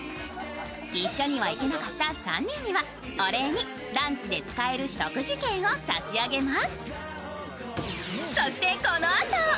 一緒には行けなかった３人にはお礼にランチで使える食事券を差し上げます。